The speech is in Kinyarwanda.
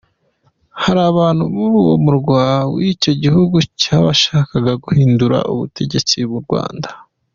Hari abantu muri uwo murwa w’icyo gihugu ngo bashakaga guhindura ubutegetsi mu Rwanda.